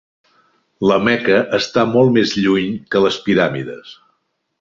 La Meca està molt més lluny que les piràmides.